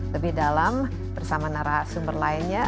lebih dalam bersama narasumber lainnya